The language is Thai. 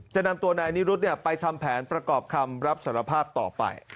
จะนำตัวนายนิรุธไปทำแผนประกอบคำรับสารภาพต่อไป